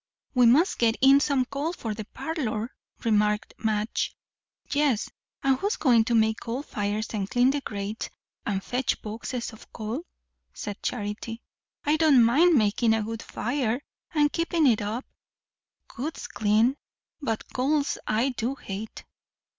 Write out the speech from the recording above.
"We must get in some coal for the parlour," remarked Madge. "Yes; and who's going to make coal fires and clean the grate and fetch boxes of coal?" said Charity. "I don't mind makin' a wood fire, and keepin' it up; wood's clean; but coals I do hate."